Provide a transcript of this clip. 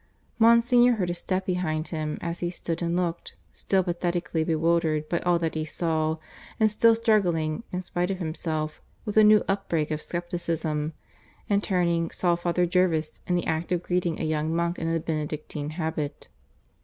Monsignor heard a step behind him as he stood and looked, still pathetically bewildered by all that he saw, and still struggling, in spite of himself, with a new upbreak of scepticism; and turning, saw Father Jervis in the act of greeting a young monk in the Benedictine habit.